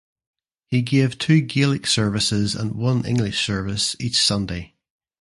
He gave two Gaelic services and one English service each Sunday.